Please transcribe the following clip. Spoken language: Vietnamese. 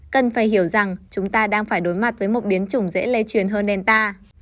cần phải hiểu rằng chúng ta đang phải đối mặt với một biến chủng dễ lê truyền hơn delta